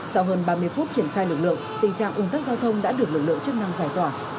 sau hơn ba mươi phút triển khai lực lượng tình trạng ồn tắc giao thông đã được lực lượng chức năng giải tỏa